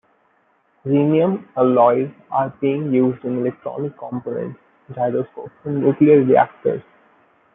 Rhenium alloys are being used in electronic components, gyroscopes and nuclear reactors.